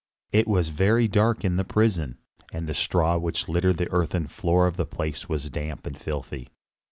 It was very dark in the prison, and the straw which littered the earthen floor of the place was damp and filthy.